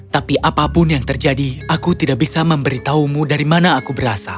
tapi apapun yang terjadi aku tidak bisa memberitahumu dari mana aku berasal